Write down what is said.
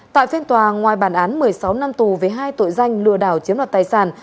tại phiên tòa ngoài bàn án một mươi sáu năm tù với hai tội danh lừa đảo chiếm đặt tài sản